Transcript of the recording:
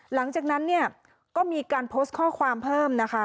หลังจากนั้นเนี่ยก็มีการโพสต์ข้อความเพิ่มนะคะ